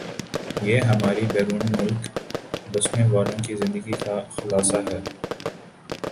یہی ہماری بیرون ملک بسنے والوں کی زندگی کا خلاصہ ہے